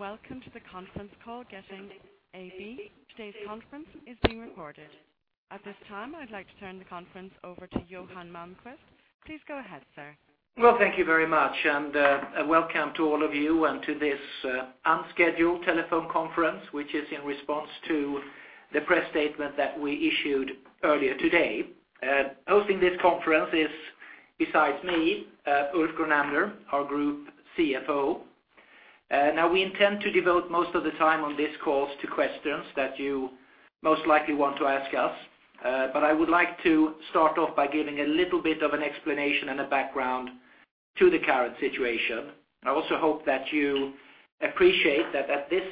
Welcome to the conference call Getinge AB. Today's conference is being recorded. At this time, I'd like to turn the conference over to Johan Malmquist. Please go ahead, sir. Well, thank you very much, and, welcome to all of you and to this, unscheduled telephone conference, which is in response to the press statement that we issued earlier today. Hosting this conference is, besides me, Ulf Grunander, our Group CFO. Now we intend to devote most of the time on this call to questions that you most likely want to ask us. But I would like to start off by giving a little bit of an explanation and a background to the current situation. I also hope that you appreciate that at this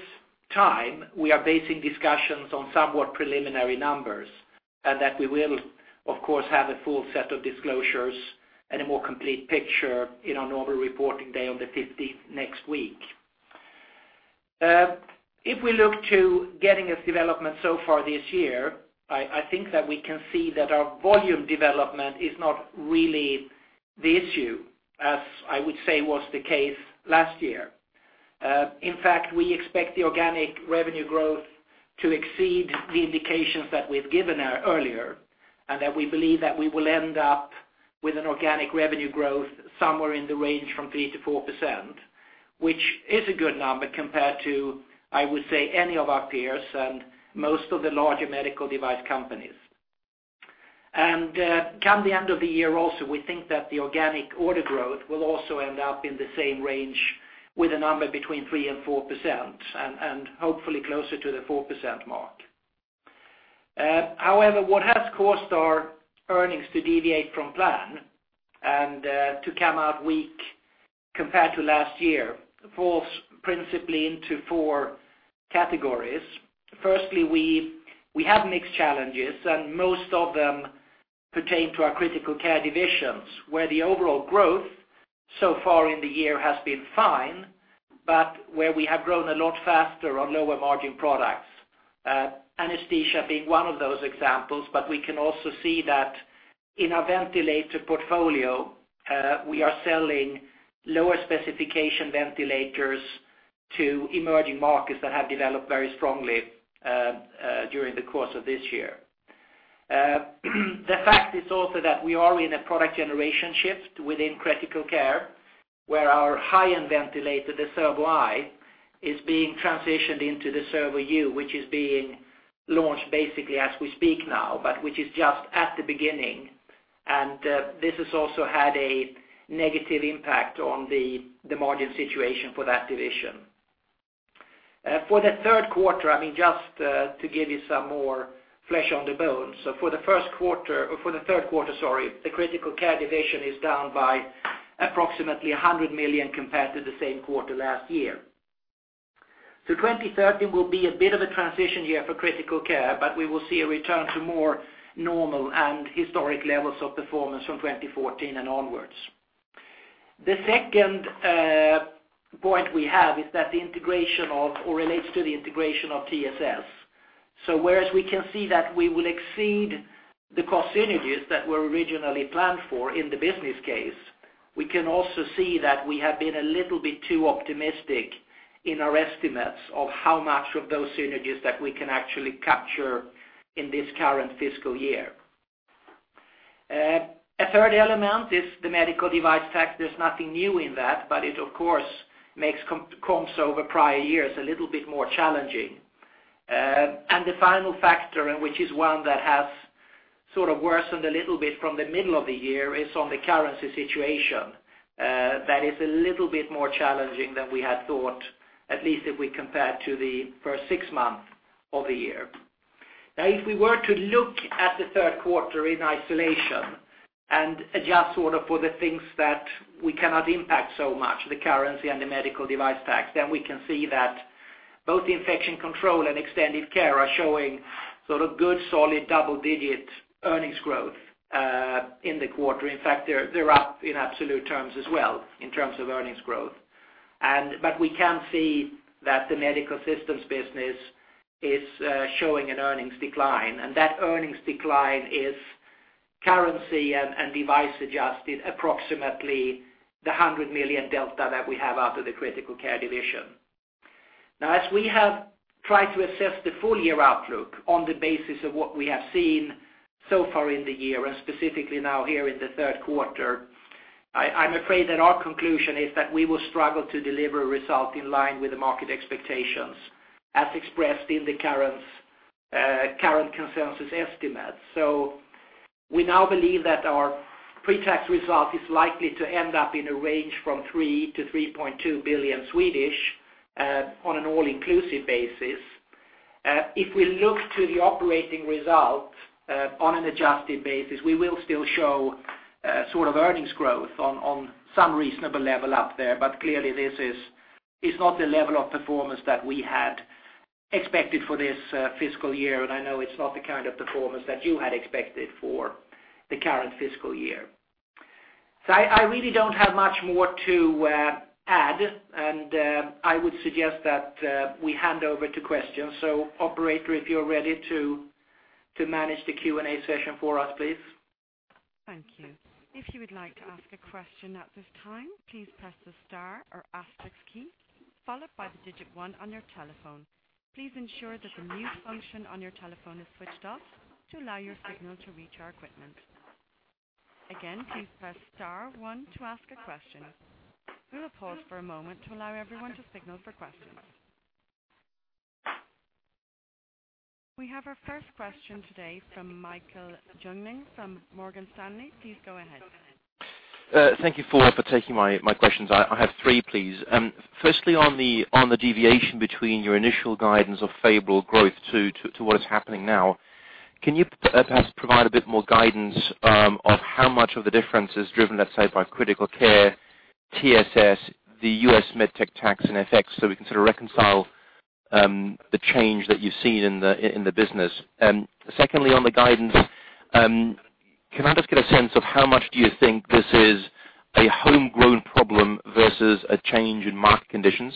time, we are basing discussions on somewhat preliminary numbers, and that we will, of course, have a full set of disclosures and a more complete picture in our normal reporting day on the fifteenth next week. If we look to Getinge's development so far this year, I think that we can see that our volume development is not really the issue, as I would say, was the case last year. In fact, we expect the organic revenue growth to exceed the indications that we've given out earlier, and that we believe that we will end up with an organic revenue growth somewhere in the range from 3%-4%, which is a good number compared to, I would say, any of our peers and most of the larger medical device companies. And, come the end of the year also, we think that the organic order growth will also end up in the same range with a number between 3%-4%, and hopefully closer to the 4% mark. However, what has caused our earnings to deviate from plan and to come out weak compared to last year falls principally into four categories. Firstly, we have mixed challenges, and most of them pertain to our Critical Care Divisions, where the overall growth so far in the year has been fine, but where we have grown a lot faster on lower margin products, anesthesia being one of those examples, but we can also see that in our ventilator portfolio, we are selling lower specification ventilators to emerging markets that have developed very strongly during the course of this year. The fact is also that we are in a product generation shift within critical care, where our high-end ventilator, the Servo-i, is being transitioned into the Servo-u, which is being launched basically as we speak now, but which is just at the beginning. And this has also had a negative impact on the margin situation for that division. For the third quarter, I mean, just to give you some more flesh on the bones. So for the first quarter, or for the third quarter, sorry, the critical care division is down by approximately 100 million compared to the same quarter last year. So 2013 will be a bit of a transition year for critical care, but we will see a return to more normal and historic levels of performance from 2014 and onwards. The second point we have is that the integration of, or relates to the integration of TSS. So whereas we can see that we will exceed the cost synergies that were originally planned for in the business case, we can also see that we have been a little bit too optimistic in our estimates of how much of those synergies that we can actually capture in this current fiscal year. A third element is the Medical Device Tax. There's nothing new in that, but it, of course, makes comps over prior years a little bit more challenging. And the final factor, and which is one that has sort of worsened a little bit from the middle of the year, is on the currency situation. That is a little bit more challenging than we had thought, at least if we compare to the first six months of the year. Now, if we were to look at the third quarter in isolation and adjust sort of for the things that we cannot impact so much, the currency and the Medical Device Tax, then we can see that both the Infection Control and Extended Care are showing sort of good, solid double-digit earnings growth in the quarter. In fact, they're, they're up in absolute terms as well in terms of earnings growth. But we can see that the Medical Systems business is showing an earnings decline, and that earnings decline is currency and device-adjusted, approximately 100 million delta that we have out of the Critical Care division. Now, as we have tried to assess the full-year outlook on the basis of what we have seen so far in the year, and specifically now here in the third quarter, I, I'm afraid that our conclusion is that we will struggle to deliver a result in line with the market expectations, as expressed in the current, current consensus estimates. So we now believe that our pre-tax result is likely to end up in a range from 3 billion-3.2 billion on an all-inclusive basis. If we look to the operating results, on an adjusted basis, we will still show, sort of earnings growth on some reasonable level up there, but clearly, this is, it's not the level of performance that we had expected for this fiscal year, and I know it's not the kind of performance that you had expected for the current fiscal year. So I really don't have much more to add, and I would suggest that we hand over to questions. So operator, if you're ready to manage the Q&A session for us, please?... Thank you. If you would like to ask a question at this time, please press the star or asterisk key, followed by the digit one on your telephone. Please ensure that the mute function on your telephone is switched off to allow your signal to reach our equipment. Again, please press star one to ask a question. We will pause for a moment to allow everyone to signal for questions. We have our first question today from Michael Jungling from Morgan Stanley. Please go ahead. Thank you for taking my questions. I have three, please. First, on the deviation between your initial guidance of favorable growth to what is happening now, can you perhaps provide a bit more guidance on how much of the difference is driven, let's say, by critical care, TSS, the U.S. Medical Device Tax and FX, so we can sort of reconcile the change that you've seen in the business? And secondly, on the guidance, can I just get a sense of how much do you think this is a homegrown problem versus a change in market conditions?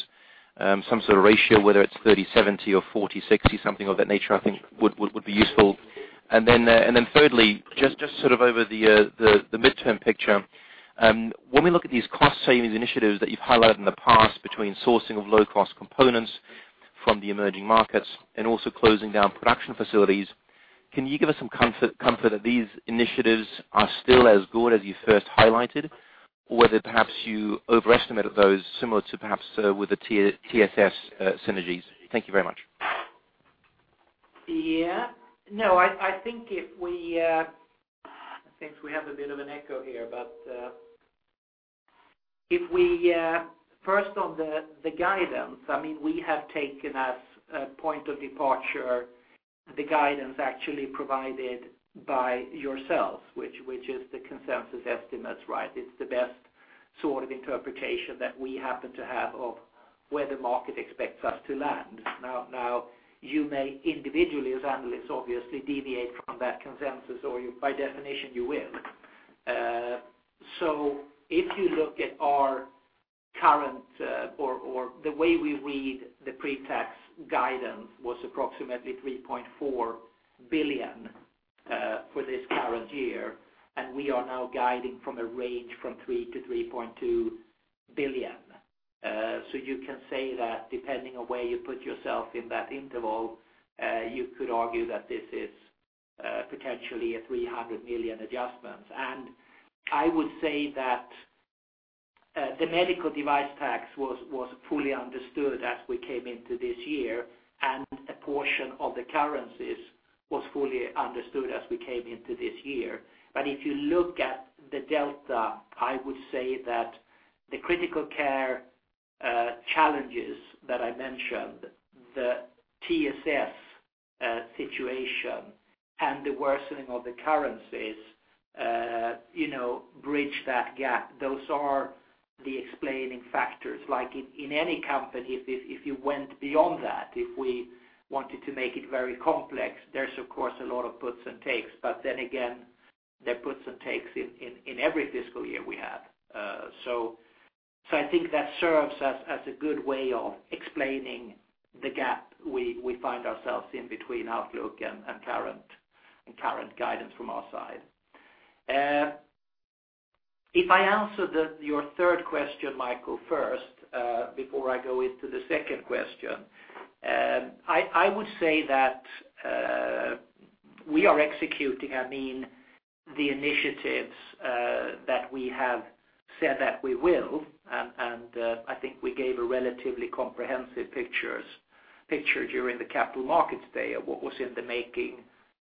Some sort of ratio, whether it's 30/70 or 40/60, something of that nature, I think, would be useful. And then, and then thirdly, just, just sort of over the, the midterm picture, when we look at these cost savings initiatives that you've highlighted in the past between sourcing of low-cost components from the emerging markets and also closing down production facilities, can you give us some comfort, comfort that these initiatives are still as good as you first highlighted? Or whether perhaps you overestimated those similar to perhaps, with the TS- TSS, synergies. Thank you very much. Yeah. No, I think if we, it seems we have a bit of an echo here, but, if we, first on the guidance, I mean, we have taken as a point of departure, the guidance actually provided by yourselves, which is the consensus estimates, right? It's the best sort of interpretation that we happen to have of where the market expects us to land. Now, you may individually, as analysts, obviously deviate from that consensus, or by definition, you will. So if you look at our current, or the way we read the pre-tax guidance was approximately 3.4 billion, for this current year, and we are now guiding for a range from 3 billion to 3.2 billion. So you can say that depending on where you put yourself in that interval, you could argue that this is potentially a $300 million adjustment. I would say that the medical device tax was fully understood as we came into this year, and a portion of the currencies was fully understood as we came into this year. But if you look at the delta, I would say that the critical care challenges that I mentioned, the TSS situation and the worsening of the currencies, you know, bridge that gap. Those are the explaining factors. Like in any company, if you went beyond that, if we wanted to make it very complex, there's of course a lot of puts and takes, but then again, there are puts and takes in every fiscal year we have. So, I think that serves as a good way of explaining the gap we find ourselves in between outlook and current guidance from our side. If I answer your third question, Michael, first, before I go into the second question, I would say that we are executing, I mean, the initiatives that we have said that we will, and I think we gave a relatively comprehensive picture during the Capital Markets Day of what was in the making.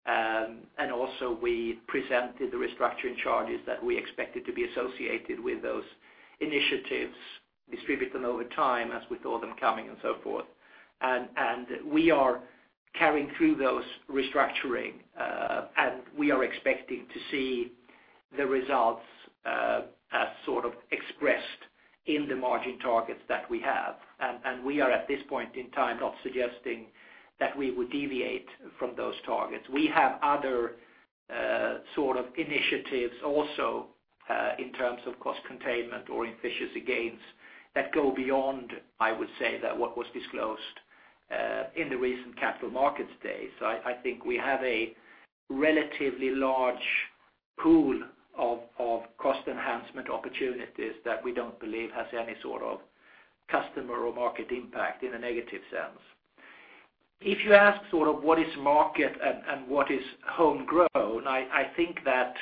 And also we presented the restructuring charges that we expected to be associated with those initiatives, distribute them over time as we saw them coming and so forth. We are carrying through those restructuring, and we are expecting to see the results, as sort of expressed in the margin targets that we have. We are, at this point in time, not suggesting that we would deviate from those targets. We have other, sort of initiatives also, in terms of cost containment or efficiency gains that go beyond, I would say, that what was disclosed, in the recent Capital Markets Day. So I think we have a relatively large pool of cost enhancement opportunities that we don't believe has any sort of customer or market impact in a negative sense. If you ask sort of what is market and what is homegrown, I think that,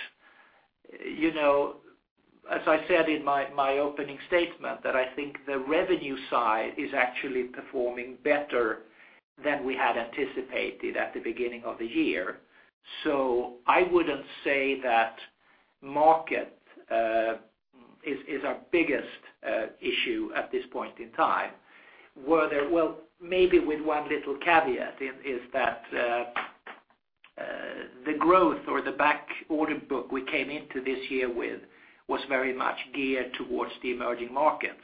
you know, as I said in my opening statement, that I think the revenue side is actually performing better than we had anticipated at the beginning of the year. So I wouldn't say that market is our biggest issue at this point in time. Well, maybe with one little caveat is that the growth or the back order book we came into this year with was very much geared towards the emerging markets.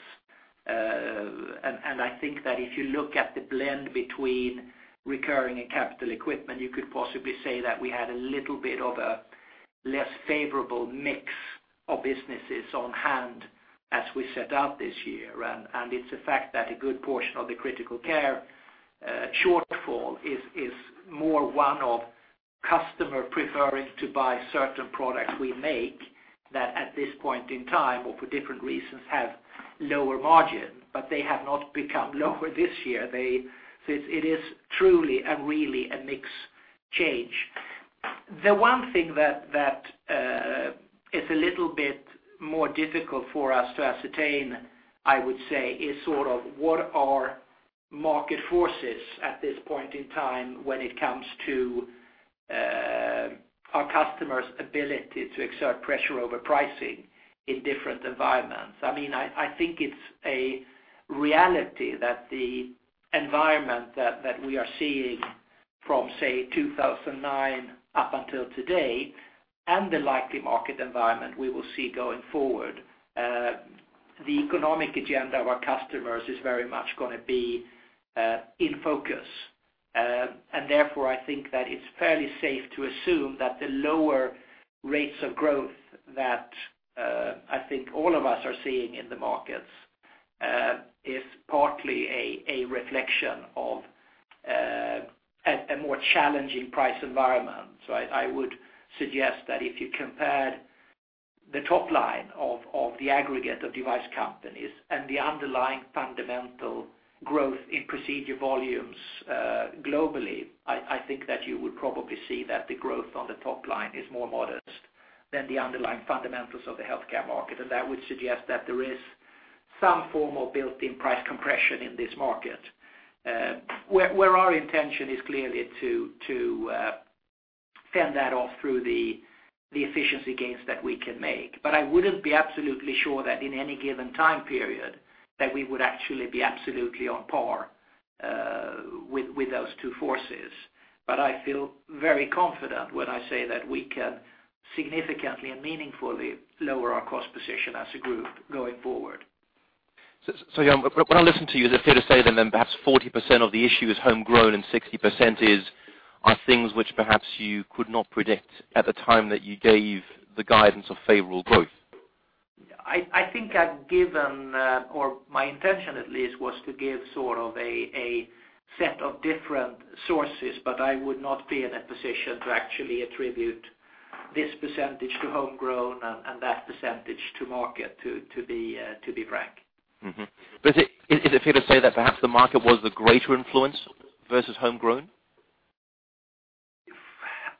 And I think that if you look at the blend between recurring and capital equipment, you could possibly say that we had a little bit of a less favorable mix of businesses on hand as we set out this year. It's a fact that a good portion of the critical care shortfall is more one of customer preferring to buy certain products we make, that at this point in time, or for different reasons, have lower margin. But they have not become lower this year. So it is truly and really a mix change. The one thing that is a little bit more difficult for us to ascertain, I would say, is sort of what are market forces at this point in time when it comes to our customers' ability to exert pressure over pricing in different environments? I mean, I think it's a reality that the environment that we are seeing from, say, 2009 up until today, and the likely market environment we will see going forward, the economic agenda of our customers is very much gonna be in focus. And therefore, I think that it's fairly safe to assume that the lower rates of growth that I think all of us are seeing in the markets is partly a reflection of a more challenging price environment. So I would suggest that if you compared the top line of the aggregate of device companies and the underlying fundamental growth in procedure volumes globally, I think that you would probably see that the growth on the top line is more modest than the underlying fundamentals of the healthcare market. That would suggest that there is some form of built-in price compression in this market. Where our intention is clearly to fend that off through the efficiency gains that we can make. But I wouldn't be absolutely sure that in any given time period, that we would actually be absolutely on par with those two forces. But I feel very confident when I say that we can significantly and meaningfully lower our cost position as a group going forward. So, Jan, when I listen to you, is it fair to say that then perhaps 40% of the issue is homegrown and 60% is, are things which perhaps you could not predict at the time that you gave the guidance of favorable growth? I think I've given, or my intention at least, was to give sort of a set of different sources, but I would not be in a position to actually attribute this percentage to homegrown and that percentage to market, to be frank. Mm-hmm. But is it, is it fair to say that perhaps the market was the greater influence versus homegrown?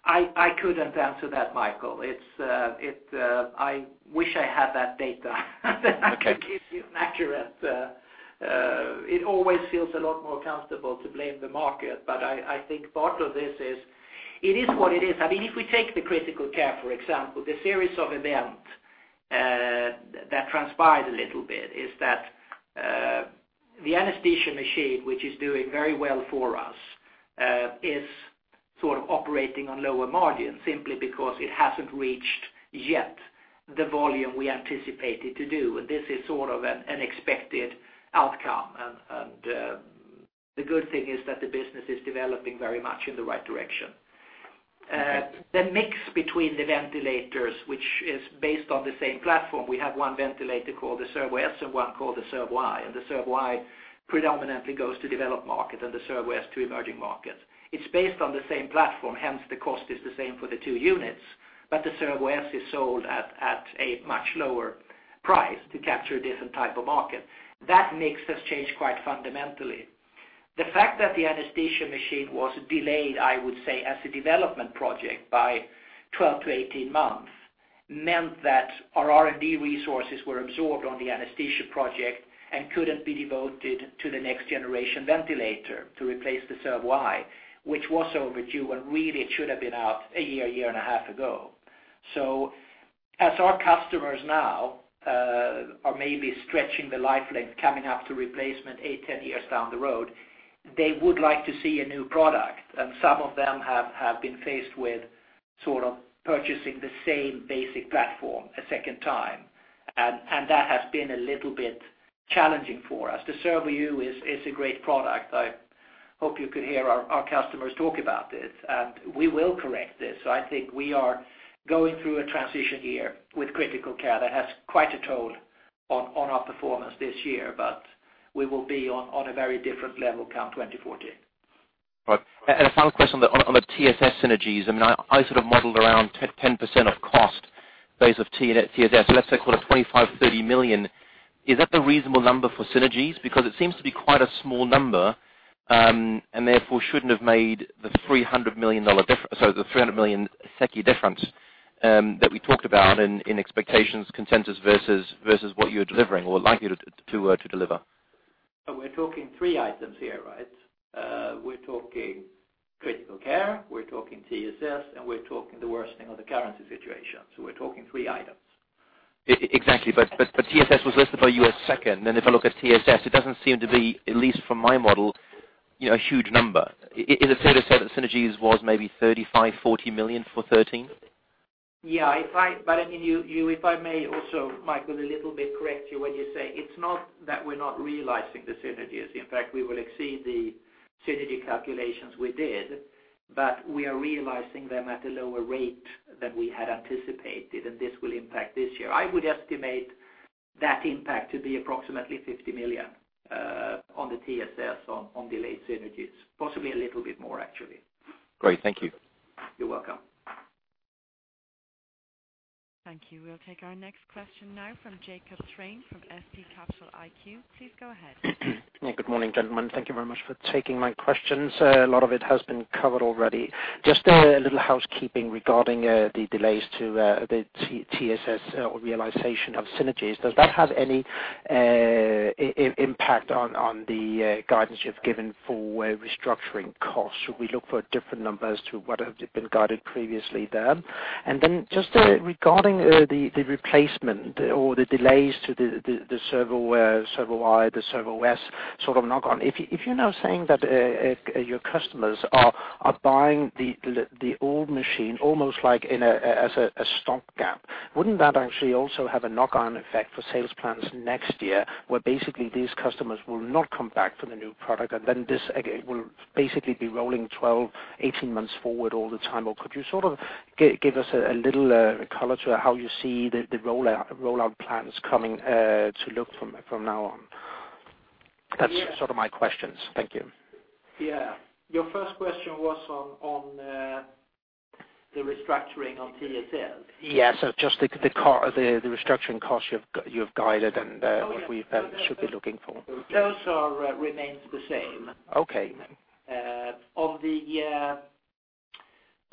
I couldn't answer that, Michael. It's... I wish I had that data - Okay... to give you an accurate, it always feels a lot more comfortable to blame the market, but I think part of this is, it is what it is. I mean, if we take the critical care, for example, the series of events that transpired a little bit is that, the anesthesia machine, which is doing very well for us, is sort of operating on lower margin, simply because it hasn't reached yet the volume we anticipated to do. And this is sort of an expected outcome. And, the good thing is that the business is developing very much in the right direction. Okay. The mix between the ventilators, which is based on the same platform, we have one ventilator called the Servo-s and one called the Servo-i. And the Servo-i predominantly goes to developed markets, and the Servo-s to emerging markets. It's based on the same platform, hence, the cost is the same for the two units, but the Servo-s is sold at, at a much lower price to capture a different type of market. That mix has changed quite fundamentally. The fact that the anesthesia machine was delayed, I would say, as a development project by 12-18 months, meant that our R&D resources were absorbed on the anesthesia project and couldn't be devoted to the next generation ventilator to replace the Servo-i, which was overdue, when really, it should have been out a year, a year and a half ago. So as our customers now are maybe stretching the life length, coming up to replacement 8, 10 years down the road, they would like to see a new product. And some of them have been faced with sort of purchasing the same basic platform a second time. And that has been a little bit challenging for us. The Servo-u is a great product. I hope you could hear our customers talk about this, and we will correct this. So I think we are going through a transition year with critical care that has quite a toll on our performance this year, but we will be on a very different level come 2014. Right. And a final question on the, on the TSS synergies. I mean, I sort of modeled around 10% of cost base of TSS, so let's say call it $25 million-$30 million. Is that the reasonable number for synergies? Because it seems to be quite a small number, and therefore, shouldn't have made the $300 million diff- so the 300 million difference, that we talked about in, in expectations, consensus, versus, versus what you're delivering or likely to, to deliver. We're talking three items here, right? We're talking critical care, we're talking TSS, and we're talking the worsening of the currency situation. So we're talking three items. Exactly, but TSS was listed by you as second. Then if I look at TSS, it doesn't seem to be, at least from my model, you know, a huge number. Is it fair to say that synergies was maybe 35 million-40 million for 2013? Yeah, but I mean, if I may also, Michael, a little bit correct you when you say, it's not that we're not realizing the synergies. In fact, we will exceed the synergy calculations we did, but we are realizing them at a lower rate than we had anticipated, and this will impact this year. I would estimate that impact to be approximately 50 million on the TSS on delayed synergies, possibly a little bit more actually. Great, thank you. You're welcome. Thank you. We'll take our next question now from Jacob Thrane from S&P Capital IQ. Please go ahead. Good morning, gentlemen. Thank you very much for taking my questions. A lot of it has been covered already. Just a little housekeeping regarding the delays to the TSS or realization of synergies. Does that have any impact on the guidance you've given for restructuring costs? Should we look for different numbers to what have been guided previously there? And then just regarding the replacement or the delays to the Servo-i, the Servo-s sort of knock on. If you're now saying that your customers are buying the old machine, almost like in a, as a stock gap, wouldn't that actually also have a knock-on effect for sales plans next year, where basically these customers will not come back for the new product, and then this, again, will basically be rolling 12, 18 months forward all the time? Or could you sort of give us a little color to how you see the rollout plans coming to look from now on? That's sort of my questions. Thank you. Yeah. Your first question was on the restructuring on TSS? Yeah, so just the restructuring costs you've guided and what we should be looking for? Those are remains the same. Okay.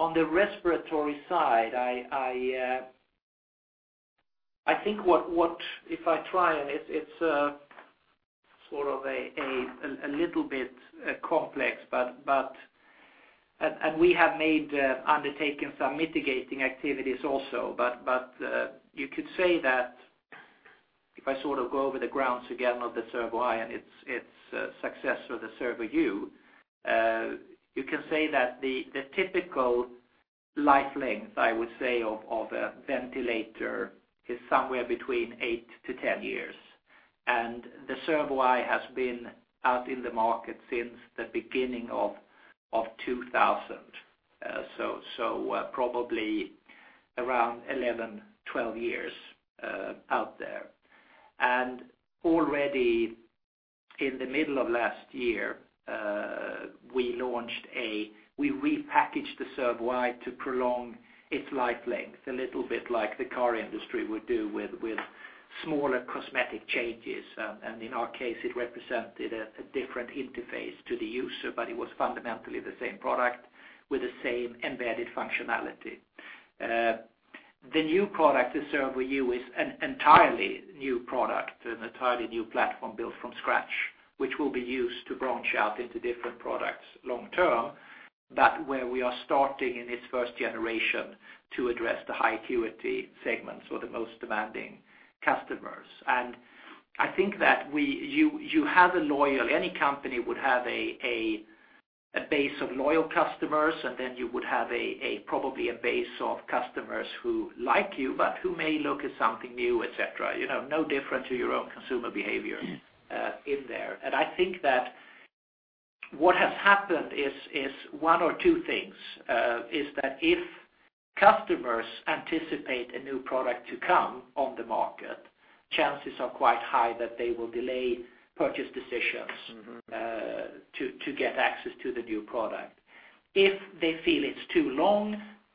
On the respiratory side, I think if I try and it's sort of a little bit complex, but we have undertaken some mitigating activities also. But you could say that if I sort of go over the grounds again of the Servo-i and its success or the Servo-u, you can say that the typical life length, I would say, of a ventilator is somewhere between 8-10 years. And the Servo-i has been out in the market since the beginning of 2000. So probably around 11-12 years out there. And already in the middle of last year, we launched—we repackaged the Servo-i to prolong its life length, a little bit like the car industry would do with smaller cosmetic changes. And in our case, it represented a different interface to the user, but it was fundamentally the same product with the same embedded functionality. The new product, the Servo-u, is an entirely new product, an entirely new platform built from scratch, which will be used to branch out into different products long term, but where we are starting in its first generation to address the high acuity segments or the most demanding customers. I think that we, you, you have a loyal, any company would have a, a base of loyal customers, and then you would have a, probably a base of customers who like you, but who may look at something new, et cetera. You know, no different to your own consumer behavior, in there. I think that what has happened is, is one or two things. Is that if customers anticipate a new product to come on the market, chances are quite high that they will delay purchase decisions. Mm-hmm... to get access to the new product. If they feel it's too long,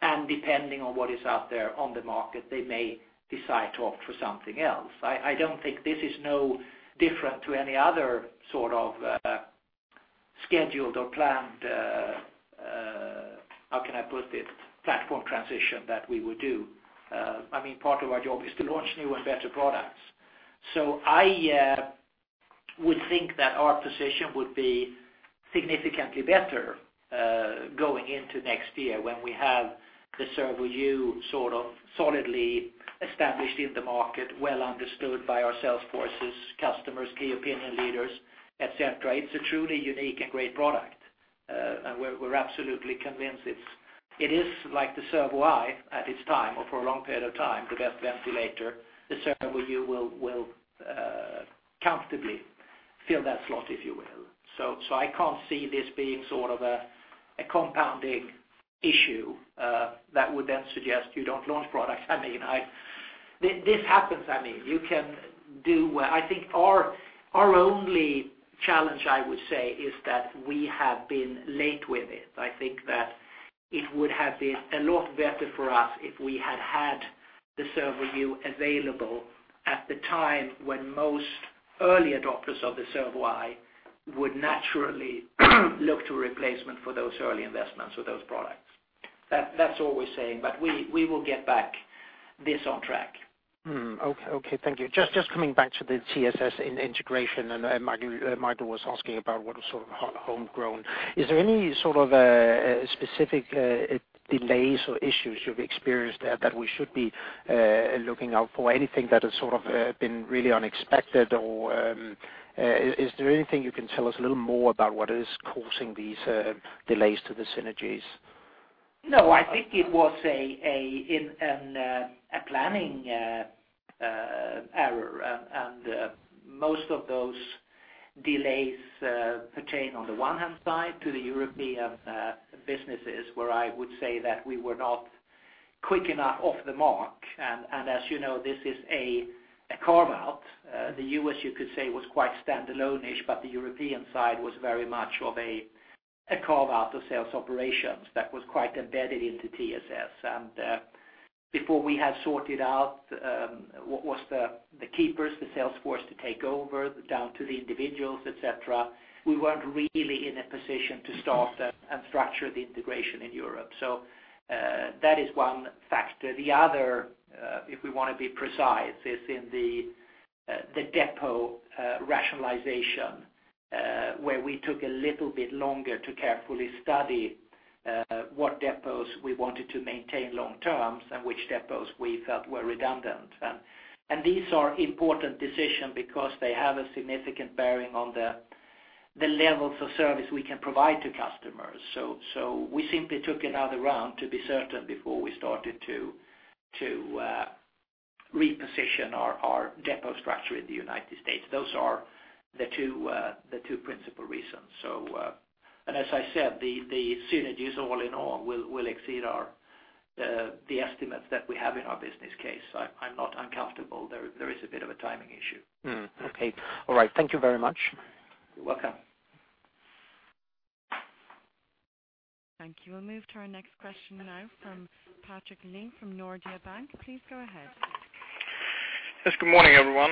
and depending on what is out there on the market, they may decide to opt for something else. I don't think this is no different to any other sort of scheduled or planned, how can I put it, platform transition that we would do. I mean, part of our job is to launch new and better products. So I would think that our position would be significantly better going into next year when we have the Servo-u sort of solidly established in the market, well understood by our sales forces, customers, key opinion leaders, et cetera. It's a truly unique and great product, and we're absolutely convinced it's like the Servo-i at its time or for a long period of time, the best ventilator, the Servo-u will comfortably fill that slot, if you will. So I can't see this being sort of a compounding issue that would then suggest you don't launch products. I mean, this happens, I mean, you can do... I think our only challenge, I would say, is that we have been late with it. I think that it would have been a lot better for us if we had had the Servo-u available at the time when most early adopters of the Servo-i would naturally look to replacement for those early investments or those products. That, that's all we're saying, but we will get back this on track. Okay, okay, thank you. Just coming back to the TSS integration, and Michael, Michael was asking about what was sort of homegrown. Is there any sort of specific delays or issues you've experienced that we should be looking out for? Anything that has sort of been really unexpected, or is there anything you can tell us a little more about what is causing these delays to the synergies? No, I think it was a planning error, and most of those delays pertain on the one hand side to the European businesses, where I would say that we were not quick enough off the mark. And as you know, this is a carve-out. The U.S., you could say, was quite standalone-ish, but the European side was very much of a carve-out of sales operations that was quite embedded into TSS. And before we had sorted out what was the keepers, the sales force to take over, down to the individuals, et cetera, we weren't really in a position to start and structure the integration in Europe. So, that is one factor. The other, if we want to be precise, is in the, the depot rationalization, where we took a little bit longer to carefully study, what depots we wanted to maintain long term and which depots we felt were redundant. And these are important decision because they have a significant bearing on the levels of service we can provide to customers. So we simply took another round to be certain before we started to reposition our depot structure in the United States. Those are the two principal reasons. So and as I said, the synergies all in all will exceed our the estimates that we have in our business case. I'm not uncomfortable. There is a bit of a timing issue. Mm. Okay. All right. Thank you very much. You're welcome. Thank you. We'll move to our next question now from Patrik Ling from Nordea Bank. Please go ahead. Yes, good morning, everyone.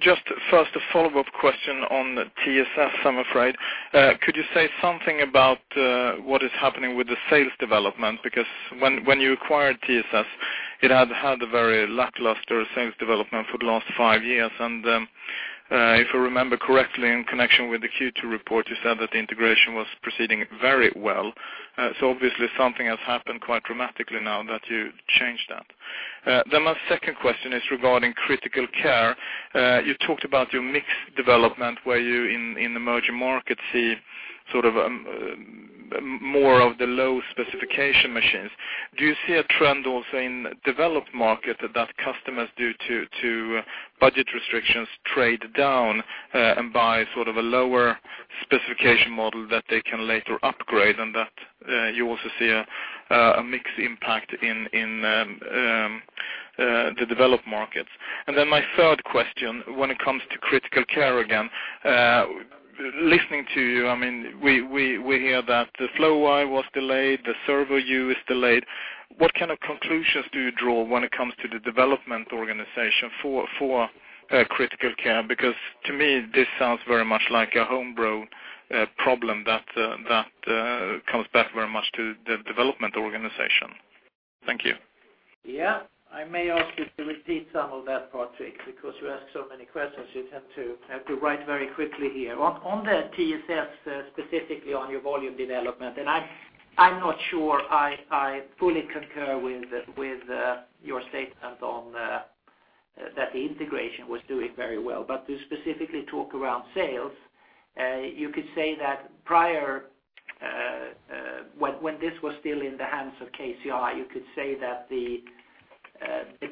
Just first, a follow-up question on TSS, I'm afraid. Could you say something about what is happening with the sales development? Because when you acquired TSS, it had had a very lackluster sales development for the last five years. And if I remember correctly, in connection with the Q2 report, you said that the integration was proceeding very well. So obviously something has happened quite dramatically now that you changed that. Then my second question is regarding critical care. You talked about your mix development, where you in the emerging markets, see sort of more of the low specification machines. Do you see a trend also in developed market that customers due to budget restrictions trade down and buy sort of a lower specification model that they can later upgrade, and that you also see a mix impact in the developed markets? And then my third question, when it comes to critical care again, listening to you, I mean, we hear that the Flow-i was delayed, the Servo-u is delayed. What kind of conclusions do you draw when it comes to the development organization for critical care? Because to me, this sounds very much like a home-grown problem that comes back very much to the development organization. Thank you. Yeah. I may ask you to repeat some of that, Patrik, because you asked so many questions, you'd have to write very quickly here. On the TSS, specifically on your volume development, and I'm not sure I fully concur with your statement on that the integration was doing very well. But to specifically talk around sales, you could say that prior, when this was still in the hands of KCI, you could say that the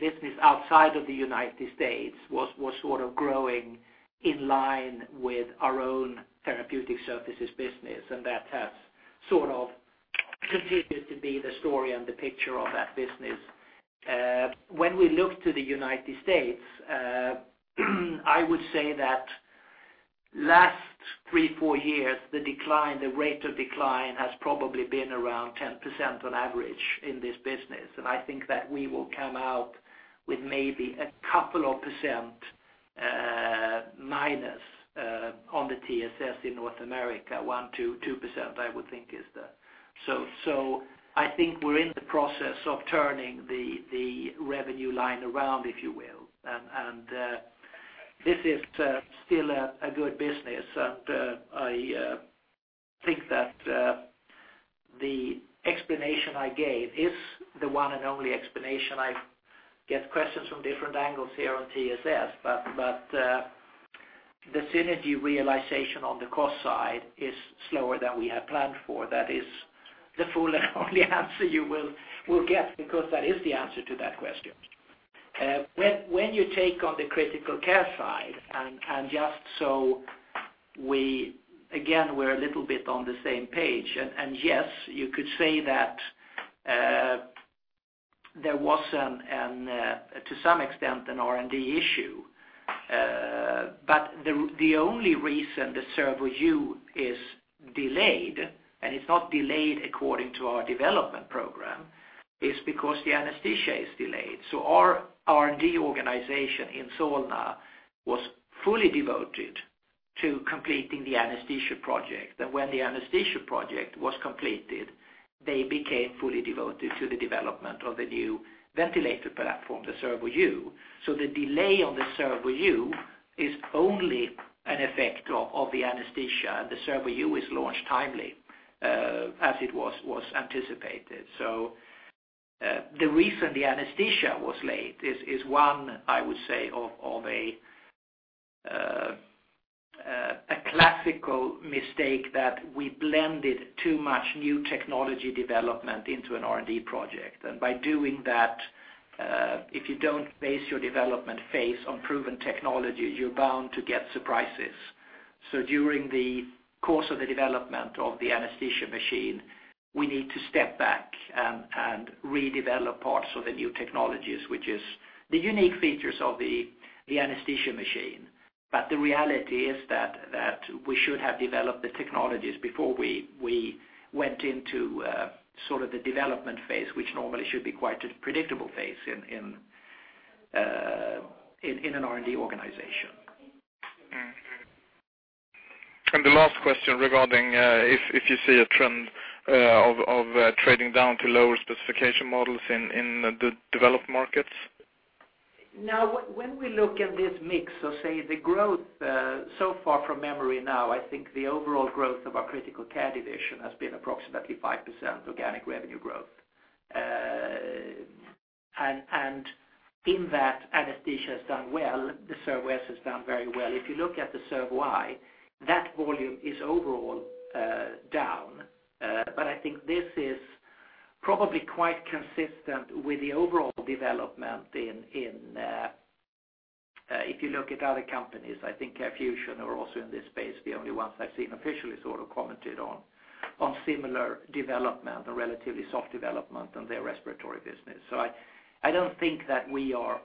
business outside of the United States was sort of growing in line with our own therapeutic services business, and that has sort of continued to be the story and the picture of that business. When we look to the United States, I would say that last 3-4 years, the decline, the rate of decline has probably been around 10% on average in this business. And I think that we will come out with maybe a couple of percent minus on the TSS in North America, 1%-2%, I would think is the. So I think we're in the process of turning the revenue line around, if you will. And this is still a good business, and I think that the explanation I gave is the one and only explanation. I get questions from different angles here on TSS, but the synergy realization on the cost side is slower than we had planned for. That is the full and only answer you will get, because that is the answer to that question. When you take on the critical care side, and just so we, again, we're a little bit on the same page, and yes, you could say that, to some extent, an R&D issue. But the only reason the Servo-u is delayed, and it's not delayed according to our development program, is because the anesthesia is delayed. So our R&D organization in Solna was fully devoted to completing the anesthesia project. And when the anesthesia project was completed, they became fully devoted to the development of the new ventilator platform, the Servo-u. So the delay on the Servo-u is only an effect of the anesthesia, and the Servo-u is launched timely, as it was anticipated. So, the reason the anesthesia was late is one, I would say, of a classical mistake that we blended too much new technology development into an R&D project. And by doing that, if you don't base your development phase on proven technology, you're bound to get surprises. So during the course of the development of the anesthesia machine, we need to step back and redevelop parts of the new technologies, which is the unique features of the anesthesia machine. But the reality is that we should have developed the technologies before we went into sort of the development phase, which normally should be quite a predictable phase in an R&D organization. Mm-hmm. And the last question regarding if you see a trend of trading down to lower specification models in the developed markets? Now, when we look at this mix, so say the growth, so far from memory now, I think the overall growth of our critical care division has been approximately 5% organic revenue growth. And in that, anesthesia has done well, the Servos has done very well. If you look at the Servo-i, that volume is overall down. But I think this is probably quite consistent with the overall development in if you look at other companies, I think CareFusion are also in this space, the only ones I've seen officially sort of commented on similar development, a relatively soft development on their respiratory business. So I don't think that we are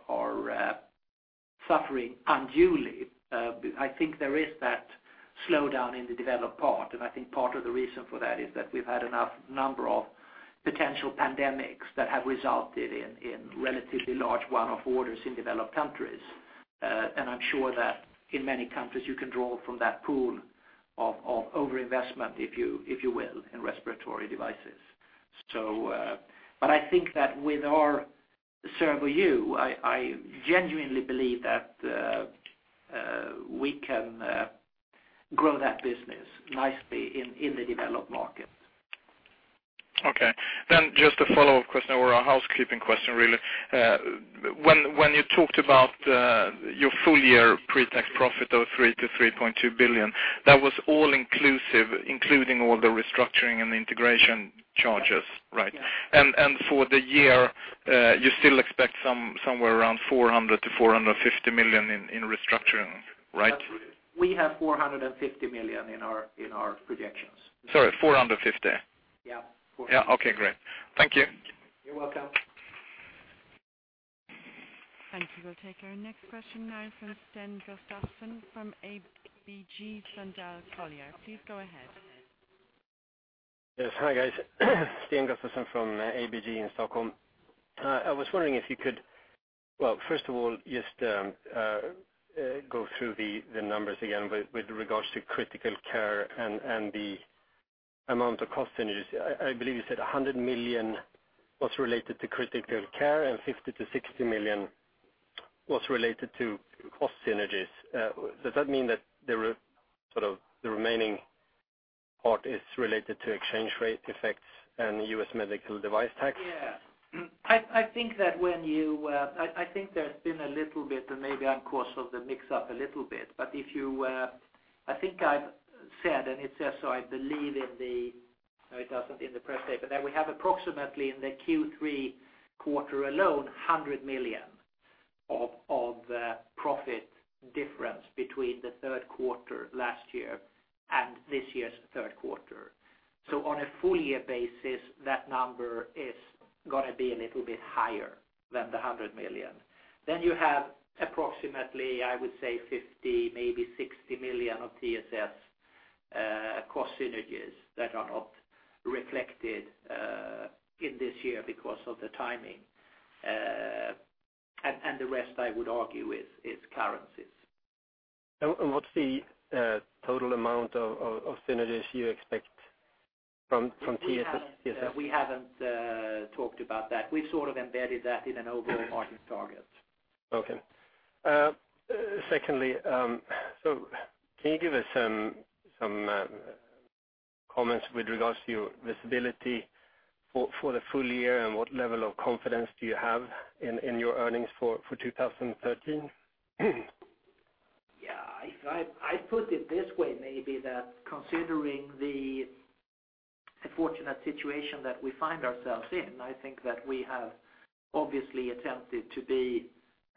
suffering unduly. I think there is that slowdown in the developed part, and I think part of the reason for that is that we've had enough number of potential pandemics that have resulted in relatively large one-off orders in developed countries. And I'm sure that in many countries, you can draw from that pool of overinvestment, if you will, in respiratory devices. So, but I think that with our Servo-u, I genuinely believe that we can grow that business nicely in the developed markets. Okay. Then just a follow-up question or a housekeeping question, really. When you talked about your full year pre-tax profit of 3 billion-3.2 billion, that was all inclusive, including all the restructuring and integration charges, right? Yes. And for the year, you still expect somewhere around 400 million-450 million in restructuring, right? We have 450 million in our projections. Sorry, 450? Yeah, 400. Yeah. Okay, great. Thank you. You're welcome. We will take our next question now from Sten Gustafsson from ABG Sundal Collier. Please go ahead. Yes. Hi, guys. Sten Gustafsson from ABG in Stockholm. I was wondering if you could... Well, first of all, just go through the numbers again with regards to critical care and the amount of cost synergies. I believe you said 100 million was related to critical care, and 50 million-60 million was related to cost synergies. Does that mean that the rest sort of the remaining part is related to exchange rate effects and U.S. medical device tax? Yeah. Mm, I think that when you, I think there's been a little bit, and maybe I'm the cause of the mix-up a little bit, but if you, I think I've said, and it says so, I believe in the— No, it doesn't in the press release, that we have approximately in the Q3 quarter alone, 100 million of profit difference between the third quarter last year and this year's third quarter. So on a full year basis, that number is gonna be a little bit higher than the 100 million. Then you have approximately, I would say, 50 million, maybe 60 million of TSS cost synergies that are not reflected in this year because of the timing, and the rest, I would argue, is currencies. What's the total amount of synergies you expect from TSS? We haven't talked about that. We've sort of embedded that in an overall margin target. Okay. Secondly, so can you give us some comments with regards to your visibility for the full year, and what level of confidence do you have in your earnings for 2013? Yeah, if I put it this way, maybe that considering the unfortunate situation that we find ourselves in, I think that we have obviously attempted to be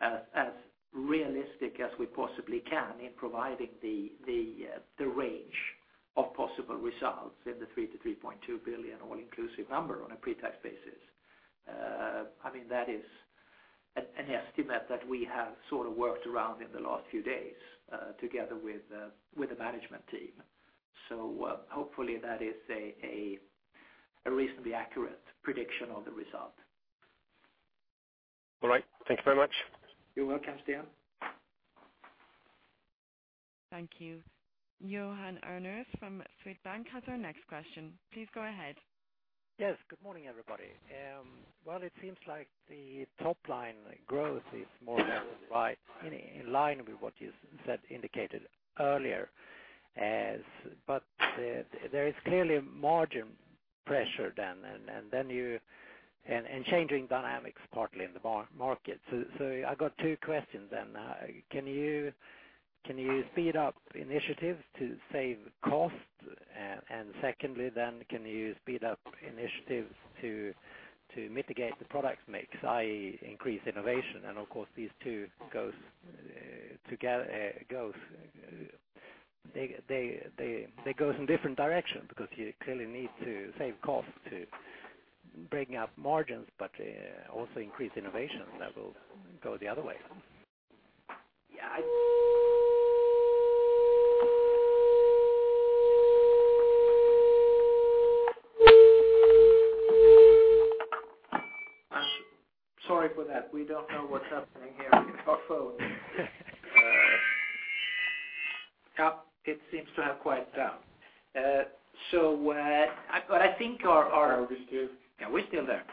as realistic as we possibly can in providing the range of possible results in the 3 billion-3.2 billion, all-inclusive number on a pre-tax basis. I mean, that is an estimate that we have sort of worked around in the last few days, together with the management team. So, hopefully, that is a reasonably accurate prediction of the result. All right. Thank you very much. You're welcome, Sten. Thank you. Johan Unnérus from Swedbank has our next question. Please go ahead. Yes, good morning, everybody. Well, it seems like the top line growth is more or less right in line with what you said, indicated earlier but there is clearly margin pressure then, and then you and changing dynamics, partly in the market. So I got two questions then. Can you speed up initiatives to save costs? And secondly, then can you speed up initiatives to mitigate the product mix, i.e., increase innovation? And of course, these two go together. They go some different directions because you clearly need to save costs to bring up margins, but also increase innovation that will go the other way. Yeah, sorry for that. We don't know what's happening here with our phone. Yeah, it seems to have quieted down. So, but I think our— Are we still? Yeah, we're still there.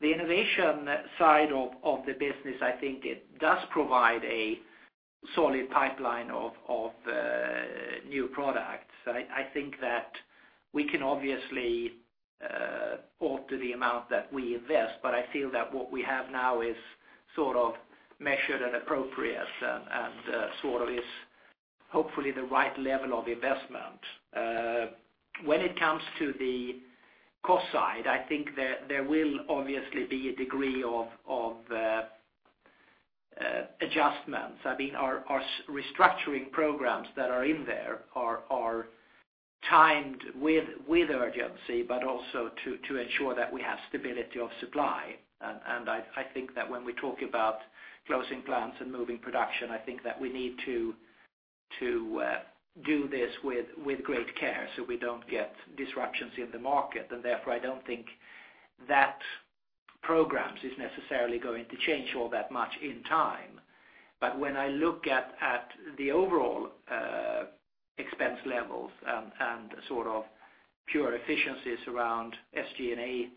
The innovation side of the business, I think it does provide a solid pipeline of new products. I think that we can obviously alter the amount that we invest, but I feel that what we have now is sort of measured and appropriate and sort of is hopefully the right level of investment. When it comes to the cost side, I think there will obviously be a degree of adjustments. I mean, our restructuring programs that are in there are timed with urgency, but also to ensure that we have stability of supply. I think that when we talk about closing plants and moving production, I think that we need to do this with great care so we don't get disruptions in the market. Therefore, I don't think that programs is necessarily going to change all that much in time. But when I look at the overall expense levels and sort of pure efficiencies around SG&A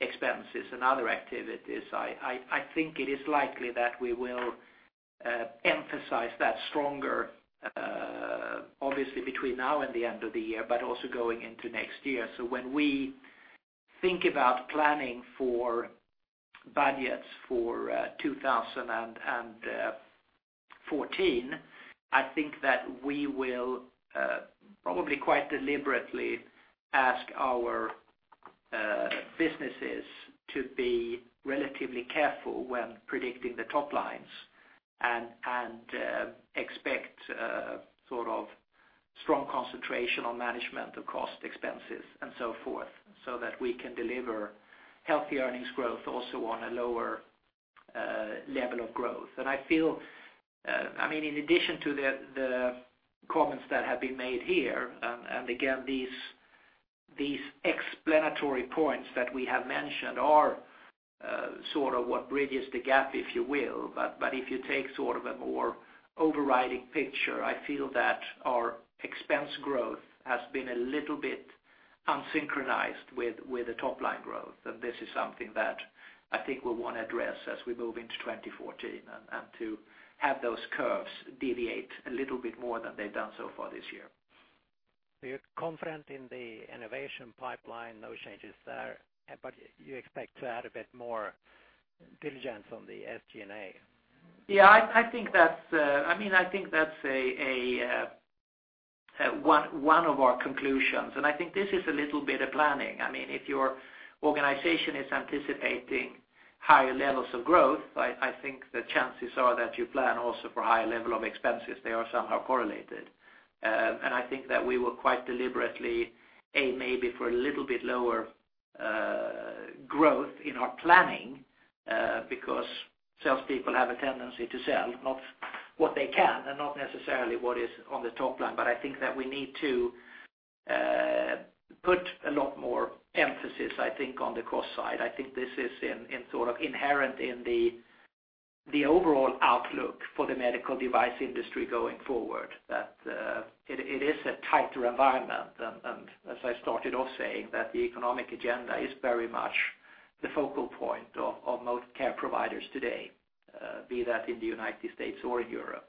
expenses and other activities, I think it is likely that we will emphasize that stronger, obviously, between now and the end of the year, but also going into next year. So when we think about planning for budgets for 2014, I think that we will probably quite deliberately ask our businesses to be relatively careful when predicting the top lines and expect sort of strong concentration on management of cost expenses and so forth, so that we can deliver healthy earnings growth also on a lower level of growth. I feel, I mean, in addition to the, the comments that have been made here, and again, these, these explanatory points that we have mentioned are, sort of what bridges the gap, if you will. But if you take sort of a more overriding picture, I feel that our expense growth has been a little bit unsynchronized with, with the top-line growth. And this is something that I think we'll want to address as we move into 2014, and to have those curves deviate a little bit more than they've done so far this year. So you're confident in the innovation pipeline, no changes there, but you expect to add a bit more diligence on the SG&A? Yeah, I think that's, I mean, I think that's one of our conclusions. And I think this is a little bit of planning. I mean, if your organization is anticipating higher levels of growth, I think the chances are that you plan also for higher level of expenses. They are somehow correlated. And I think that we were quite deliberately aim maybe for a little bit lower growth in our planning because salespeople have a tendency to sell not what they can and not necessarily what is on the top line. But I think that we need to put a lot more emphasis, I think, on the cost side. I think this is in sort of inherent in the overall outlook for the medical device industry going forward, that it is a tighter environment. As I started off saying, the economic agenda is very much the focal point of most care providers today, be that in the United States or in Europe.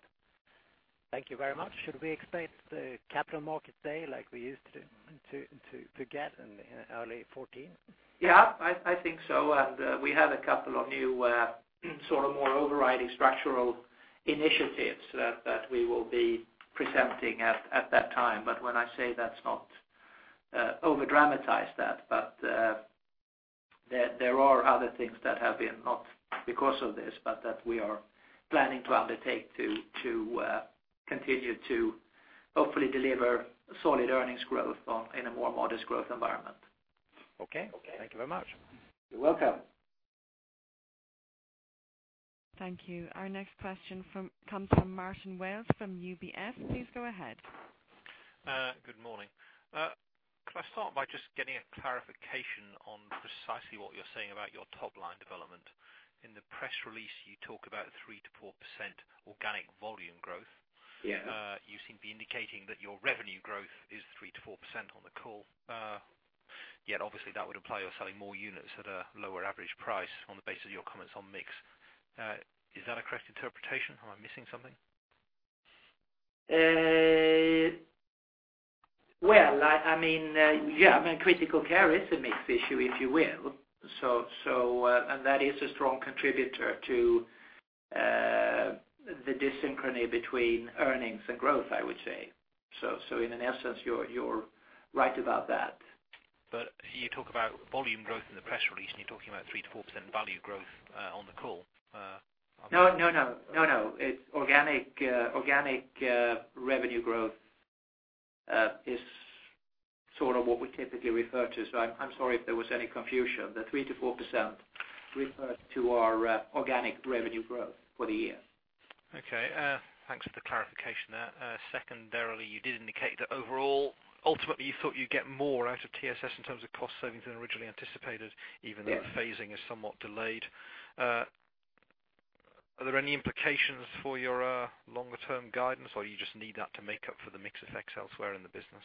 Thank you very much. Should we expect the Capital Markets Day like we used to, to get in early 2014? Yeah, I think so. And we have a couple of new sort of more overriding structural initiatives that we will be presenting at that time. But when I say that's not overdramatize that, but there are other things that have been, not because of this, but that we are planning to undertake to continue to hopefully deliver solid earnings growth on, in a more modest growth environment. Okay. Okay. Thank you very much. You're welcome. Thank you. Our next question comes from Martin Wales from UBS. Please go ahead. Good morning. Could I start by just getting a clarification on precisely what you're saying about your top-line development? In the press release, you talk about 3%-4% organic volume growth. Yeah. You seem to be indicating that your revenue growth is 3%-4% on the call. Yet obviously, that would imply you're selling more units at a lower average price on the basis of your comments on mix. Is that a correct interpretation, or am I missing something? Well, I mean, yeah, I mean, critical care is a mixed issue, if you will. So, and that is a strong contributor to the dyssynchrony between earnings and growth, I would say. So, in essence, you're right about that. But you talk about volume growth in the press release, and you're talking about 3%-4% value growth on the call. No, no, no. No, no. It's organic revenue growth, is sort of what we typically refer to. So I'm sorry if there was any confusion. The 3%-4% refers to our organic revenue growth for the year. Okay. Thanks for the clarification there. Secondarily, you did indicate that overall, ultimately, you thought you'd get more out of TSS in terms of cost savings than originally anticipated, even- Yes... though the phasing is somewhat delayed. Are there any implications for your longer term guidance, or you just need that to make up for the mix effects elsewhere in the business?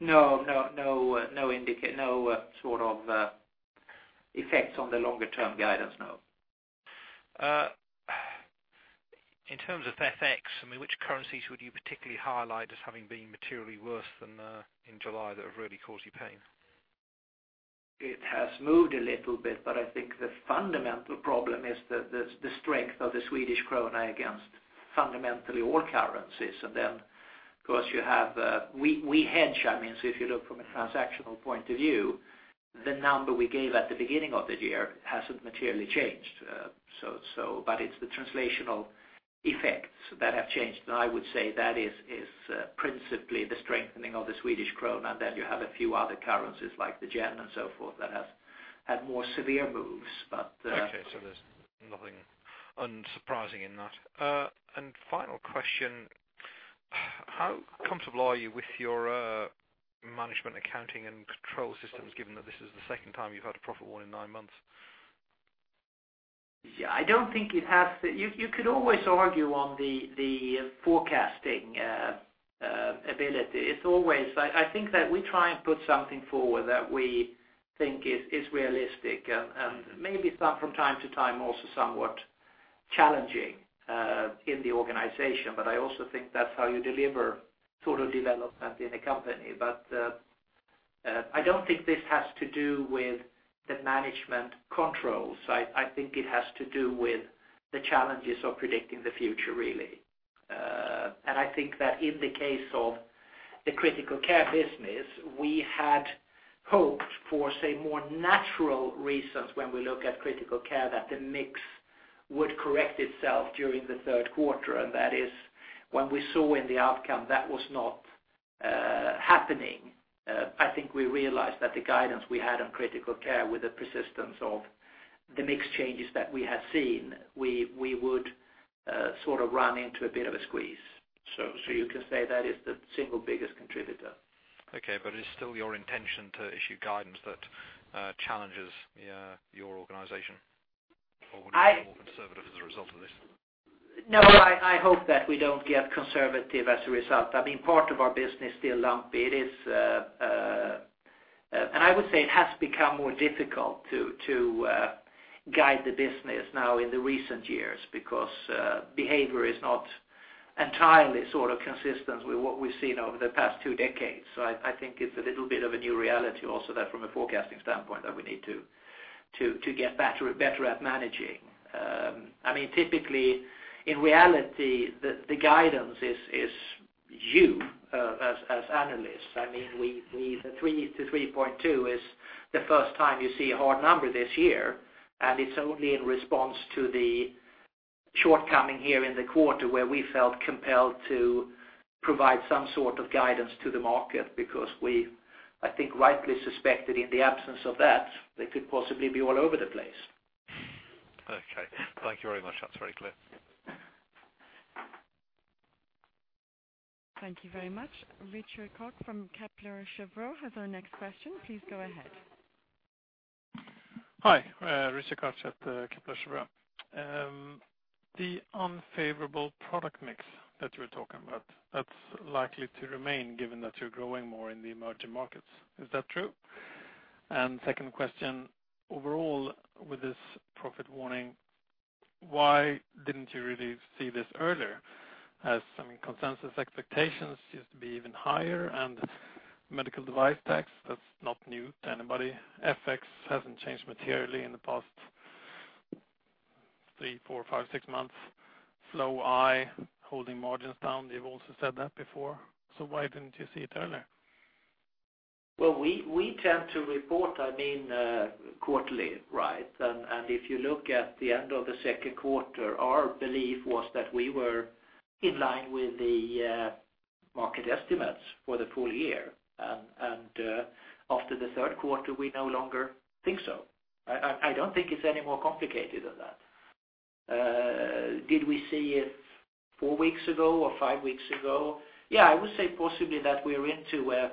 No, no, no, no indication, no sort of effects on the longer-term guidance, no. In terms of FX, I mean, which currencies would you particularly highlight as having been materially worse than in July that have really caused you pain? It has moved a little bit, but I think the fundamental problem is the strength of the Swedish krona against fundamentally all currencies. And then, of course, you have, we hedge, I mean, so if you look from a transactional point of view, the number we gave at the beginning of the year hasn't materially changed. But it's the translational effects that have changed, and I would say that is principally the strengthening of the Swedish krona. Then you have a few other currencies, like the yen and so forth, that have had more severe moves, but, Okay, there's nothing unsurprising in that. Final question: How comfortable are you with your management accounting and control systems, given that this is the second time you've had a profit warning in nine months? Yeah, I don't think it has—you could always argue on the forecasting ability. It's always—I think that we try and put something forward that we think is realistic and maybe some from time to time, also somewhat challenging in the organization. But I also think that's how you deliver sort of development in a company. But I don't think this has to do with the management controls. I think it has to do with the challenges of predicting the future, really. And I think that in the case of the critical care business, we had hoped for, say, more natural reasons when we look at critical care, that the mix would correct itself during the third quarter, and that is when we saw in the outcome that was not happening. I think we realized that the guidance we had on critical care, with the persistence of the mix changes that we had seen, we would sort of run into a bit of a squeeze. So you can say that is the single biggest contributor. Okay, but it's still your intention to issue guidance that challenges your organization? I- Or would you be more conservative as a result of this? No, I, I hope that we don't get conservative as a result. I mean, part of our business is still lumpy. It is. I would say it has become more difficult to guide the business now in the recent years because behavior is not entirely sort of consistent with what we've seen over the past two decades. So I, I think it's a little bit of a new reality also that from a forecasting standpoint, that we need to get better at managing. I mean, typically, in reality, the guidance is you, as analysts. I mean, we, the 3-3.2 is the first time you see a hard number this year, and it's only in response to the shortcoming here in the quarter, where we felt compelled to provide some sort of guidance to the market because we, I think, rightly suspected in the absence of that, they could possibly be all over the place. Okay. Thank you very much. That's very clear. Thank you very much. Rickard Anderkrans from Kepler Cheuvreux has our next question. Please go ahead. Hi, Rickard Anderkrans at Kepler Cheuvreux. The unfavorable product mix that you're talking about, that's likely to remain, given that you're growing more in the emerging markets. Is that true? And second question, overall, with this profit warning, why didn't you really see this earlier? As, I mean, consensus expectations used to be even higher, and Medical Device Tax, that's not new to anybody. FX hasn't changed materially in the past three, four, five, six months. Supply, holding margins down, you've also said that before, so why didn't you see it earlier? Well, we tend to report, I mean, quarterly, right? And if you look at the end of the second quarter, our belief was that we were in line with the market estimates for the full year. And after the third quarter, we no longer think so. I don't think it's any more complicated than that. Did we see it four weeks ago or five weeks ago? Yeah, I would say possibly that we're into a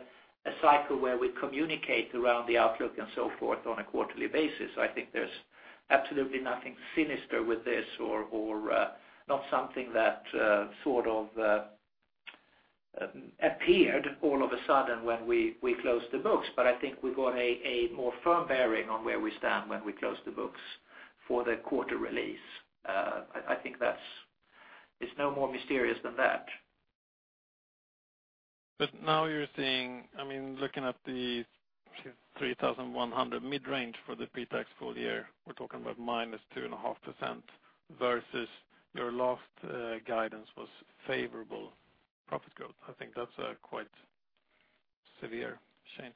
cycle where we communicate around the outlook and so forth on a quarterly basis. I think there's absolutely nothing sinister with this or not something that sort of appeared all of a sudden when we closed the books. But I think we got a more firm bearing on where we stand when we closed the books for the quarter release. I think that's... It's no more mysterious than that.... But now you're seeing, I mean, looking at the 3,100 mid-range for the pre-tax full year, we're talking about -2.5% versus your last guidance was favorable profit growth. I think that's a quite severe change.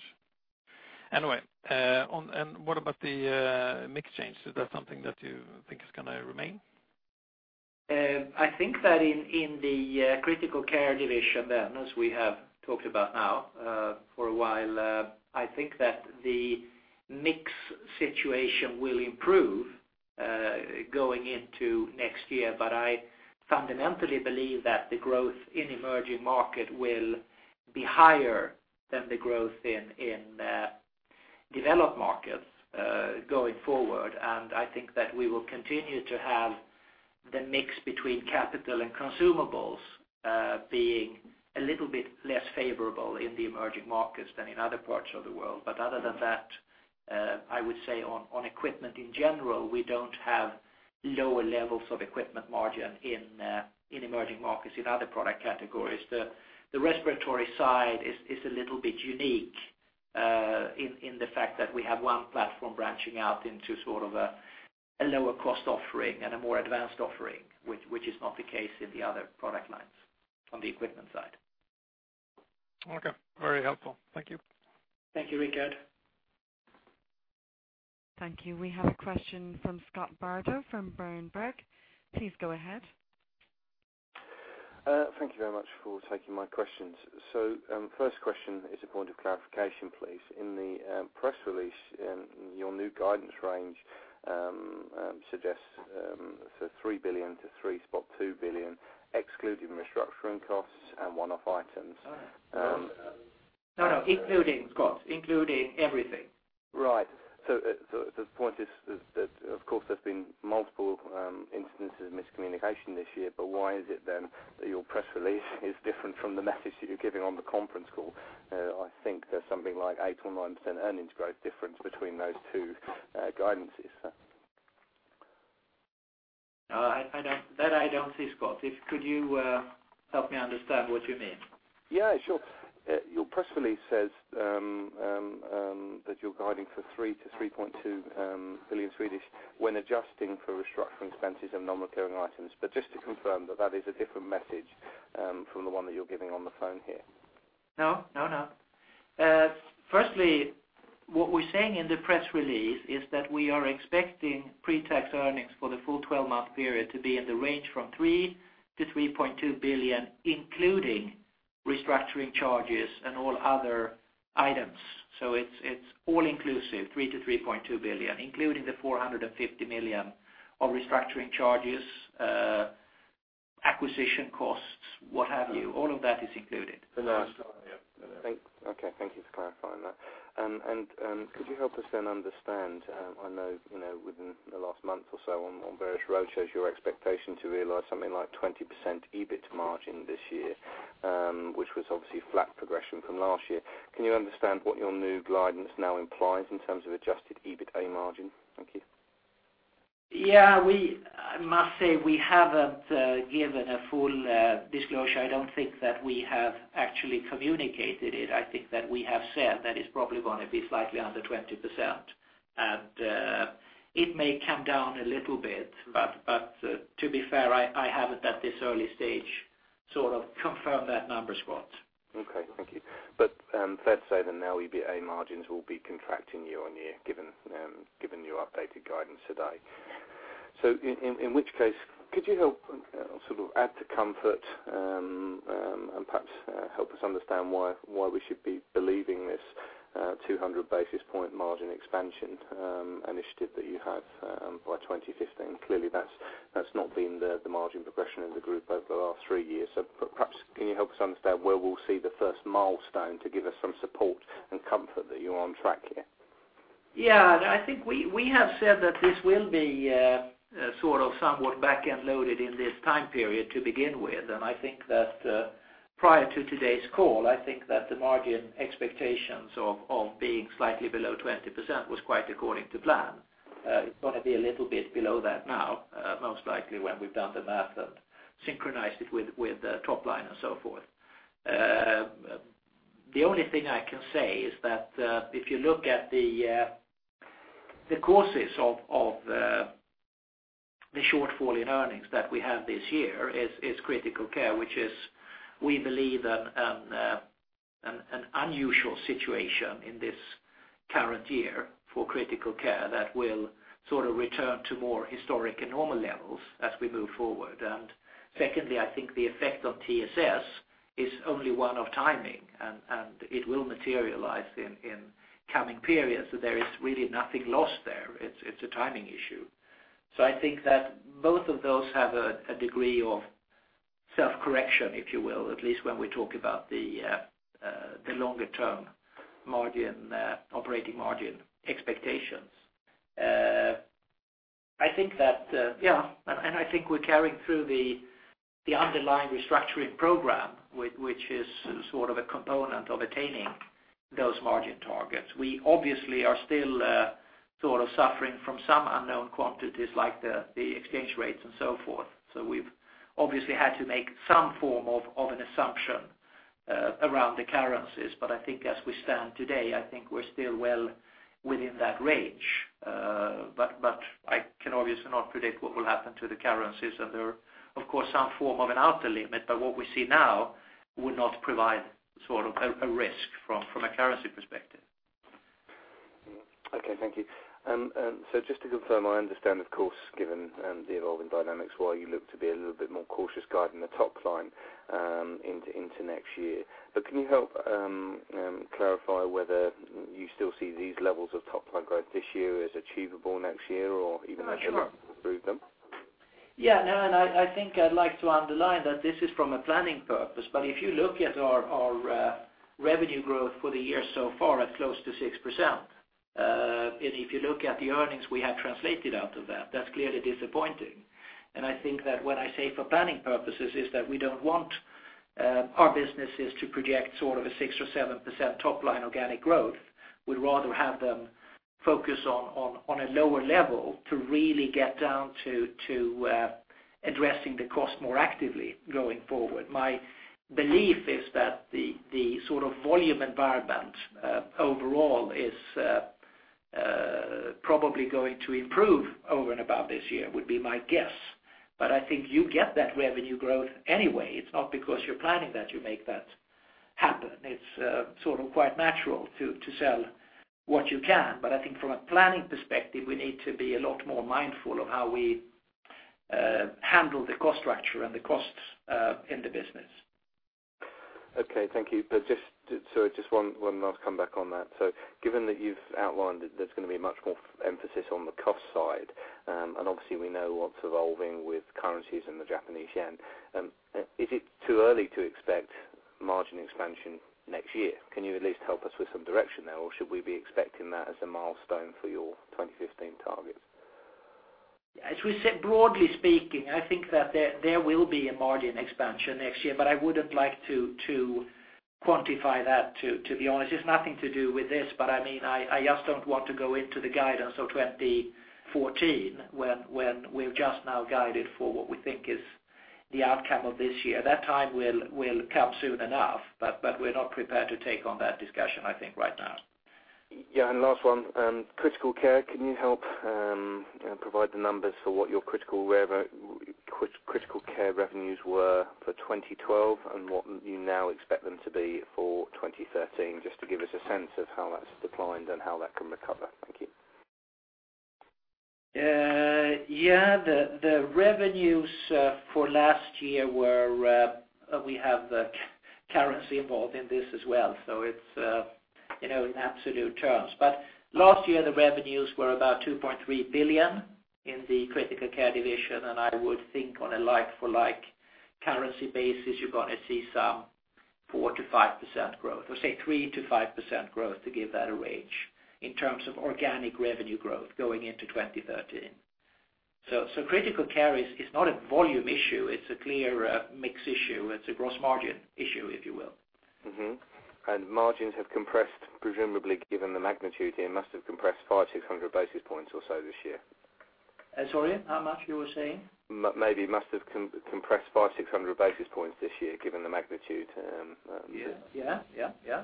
Anyway, on- and what about the, mix change? Is that something that you think is gonna remain? I think that in the critical care division, as we have talked about now, for a while, I think that the mix situation will improve, going into next year. But I fundamentally believe that the growth in emerging market will be higher than the growth in developed markets, going forward. And I think that we will continue to have the mix between capital and consumables, being a little bit less favorable in the emerging markets than in other parts of the world. But other than that, I would say on equipment in general, we don't have lower levels of equipment margin in emerging markets, in other product categories. The respiratory side is a little bit unique in the fact that we have one platform branching out into sort of a lower cost offering and a more advanced offering, which is not the case in the other product lines on the equipment side. Okay. Very helpful. Thank you. Thank you, Rickard. Thank you. We have a question from Scott Bardo, from Berenberg. Please go ahead. Thank you very much for taking my questions. First question is a point of clarification, please. In the press release, your new guidance range suggests 3 billion-3.2 billion, excluding restructuring costs and one-off items. No, no, including Scott, including everything. Right. So the point is that, of course, there's been multiple instances of miscommunication this year, but why is it then that your press release is different from the message that you're giving on the conference call? I think there's something like 8% or 9% earnings growth difference between those two guidances. I don't see that, Scott. Could you help me understand what you mean? Yeah, sure. Your press release says that you're guiding for 3 billion-3.2 billion when adjusting for restructuring expenses and non-recurring items. But just to confirm that that is a different message from the one that you're giving on the phone here. No, no, no. Firstly, what we're saying in the press release is that we are expecting pre-tax earnings for the full 12-month period to be in the range from 3 billion-3.2 billion, including restructuring charges and all other items. So it's, it's all inclusive, 3 billion-3.2 billion, including the 450 million of restructuring charges, acquisition costs, what have you. All of that is included. Thanks. Okay. Thank you for clarifying that. And, could you help us then understand, I know, you know, within the last month or so on, on various roadshows, your expectation to realize something like 20% EBIT margin this year, which was obviously flat progression from last year. Can you understand what your new guidance now implies in terms of adjusted EBITA margin? Thank you. Yeah, I must say we haven't given a full disclosure. I don't think that we have actually communicated it. I think that we have said that it's probably gonna be slightly under 20%. And it may come down a little bit, but to be fair, I haven't at this early stage sort of confirmed that number, Scott. Okay, thank you. But fair to say that now, EBITDA margins will be contracting year-on-year, given your updated guidance today. So in which case, could you help sort of add to comfort and perhaps help us understand why we should be believing this 200 basis point margin expansion initiative that you have by 2015? Clearly, that's not been the margin progression in the group over the last three years. So perhaps can you help us understand where we'll see the first milestone to give us some support and comfort that you're on track here? Yeah, I think we, we have said that this will be sort of somewhat back-end loaded in this time period to begin with. And I think that prior to today's call, I think that the margin expectations of being slightly below 20% was quite according to plan. It's gonna be a little bit below that now, most likely, when we've done the math and synchronized it with the top line and so forth. The only thing I can say is that if you look at the causes of the shortfall in earnings that we have this year is critical care, which is, we believe, an unusual situation in this current year for critical care that will sort of return to more historic and normal levels as we move forward. And secondly, I think the effect on TSS is only one of timing, and it will materialize in coming periods. So there is really nothing lost there. It's a timing issue. So I think that both of those have a degree of self-correction, if you will, at least when we talk about the longer term margin operating margin expectations. I think that, yeah, and I think we're carrying through the underlying restructuring program, which is sort of a component of attaining those margin targets. We obviously are still sort of suffering from some unknown quantities, like the exchange rates and so forth. So we've obviously had to make some form of an assumption around the currencies. But I think as we stand today, I think we're still well within that range. But I can obviously not predict what will happen to the currencies. And there are, of course, some form of an outer limit, but what we see now would not provide sort of a risk from a currency perspective. Okay, thank you. And so just to confirm, I understand, of course, given the evolving dynamics, why you look to be a little bit more cautious guiding the top line into next year. But can you help clarify whether you still see these levels of top line growth this year as achievable next year, or even- Uh, sure -improve them? Yeah, no, and I, I think I'd like to underline that this is from a planning purpose, but if you look at our, our, revenue growth for the year so far at close to 6%, and if you look at the earnings we have translated out of that, that's clearly disappointing. And I think that when I say for planning purposes, is that we don't want, our businesses to project sort of a 6%-7% top line organic growth. We'd rather have them focus on, on, on a lower level to really get down to, to, addressing the cost more actively going forward. My belief is that the, the sort of volume environment, overall is, probably going to improve over and above this year, would be my guess. But I think you get that revenue growth anyway. It's not because you're planning that, you make that happen. It's sort of quite natural to sell what you can. But I think from a planning perspective, we need to be a lot more mindful of how we handle the cost structure and the costs in the business. Okay, thank you. But just one last comeback on that. So given that you've outlined that there's going to be much more emphasis on the cost side, and obviously we know what's evolving with currencies and the Japanese yen, is it too early to expect margin expansion next year? Can you at least help us with some direction there, or should we be expecting that as a milestone for your 2015 targets? As we said, broadly speaking, I think that there will be a margin expansion next year, but I wouldn't like to quantify that, to be honest. It's nothing to do with this, but, I mean, I just don't want to go into the guidance of 2014, when we've just now guided for what we think is the outcome of this year. That time will come soon enough, but we're not prepared to take on that discussion, I think, right now. Yeah, and last one. Critical Care, can you help provide the numbers for what your Critical Care revenues were for 2012 and what you now expect them to be for 2013? Just to give us a sense of how that's declined and how that can recover. Thank you. Yeah, the revenues for last year were... We have the currency involved in this as well, so it's, you know, in absolute terms. But last year, the revenues were about 2.3 billion in the critical care division, and I would think on a like-for-like currency basis, you're going to see some 4%-5% growth, or say 3%-5% growth, to give that a range, in terms of organic revenue growth going into 2013. So, critical care is not a volume issue, it's a clear mix issue. It's a gross margin issue, if you will. Mm-hmm. And margins have compressed, presumably, given the magnitude here, must have compressed 500-600 basis points or so this year. Sorry, how much you were saying? Maybe must have compressed 500-600 basis points this year, given the magnitude. Yeah. Yeah, yeah, yeah.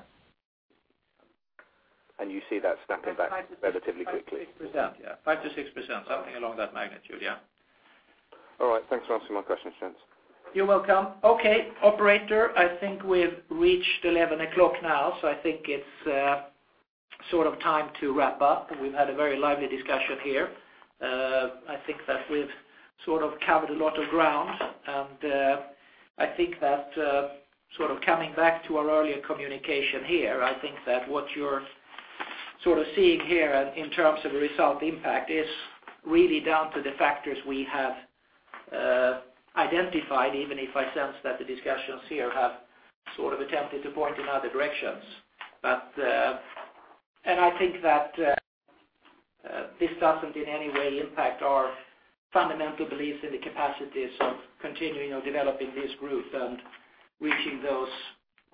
You see that snapping back relatively quickly? 5%-6%, yeah. 5%-6%, something along that magnitude, yeah. All right. Thanks for answering my questions, Jens. You're welcome. Okay, operator, I think we've reached 11 o'clock now, so I think it's sort of time to wrap up. We've had a very lively discussion here. I think that we've sort of covered a lot of ground, and I think that sort of coming back to our earlier communication here, I think that what you're sort of seeing here in terms of the result impact is really down to the factors we have identified, even if I sense that the discussions here have sort of attempted to point in other directions. But and I think that this doesn't in any way impact our fundamental beliefs in the capacities of continuing or developing this growth and reaching those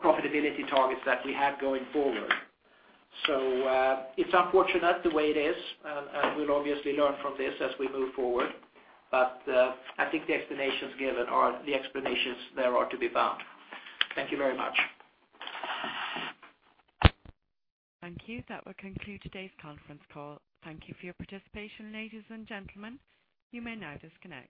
profitability targets that we have going forward. So, it's unfortunate the way it is, and we'll obviously learn from this as we move forward. But, I think the explanations given are the explanations there are to be found. Thank you very much. Thank you. That will conclude today's conference call. Thank you for your participation, ladies and gentlemen. You may now disconnect.